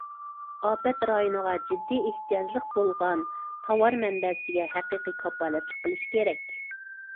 ئاپەت رايونىغا جىددىي ئېھتىياجلىق بولغان تاۋار مەنبەسىگە ھەقىقىي كاپالەتلىك قىلىش كېرەك.